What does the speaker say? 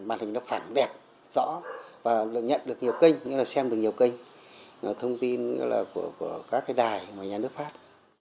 màn hình phẳng đẹp rõ và nhận được nhiều kênh xem được nhiều kênh thông tin của các đài nhà nước pháp